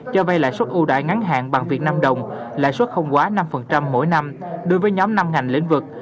cho vay lãi suất ưu đại ngắn hạn bằng việt nam đồng lãi suất không quá năm mỗi năm đối với nhóm năm ngành lĩnh vực